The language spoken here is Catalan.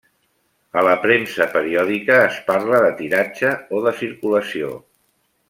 A la premsa periòdica es parla de tiratge o de circulació.